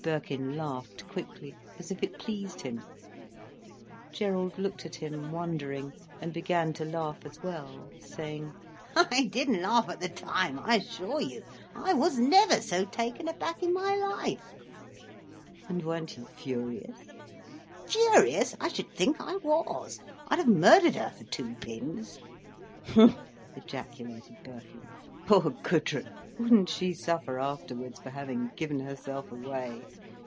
Birkin laughed quickly, as if it pleased him. Gerald looked at him, wondering, and began to laugh as well, saying: "I didn't laugh at the time, I assure you. I was never so taken aback in my life." "And weren't you furious?" "Furious? I should think I was. I'd have murdered her for two pins." "H'm!" ejaculated Birkin. "Poor Gudrun, wouldn't she suffer afterwards for having given herself away!"